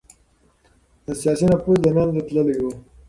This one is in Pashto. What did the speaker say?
سياسي نفوذ له منځه تللی و.